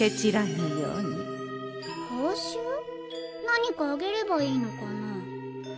何かあげればいいのかな？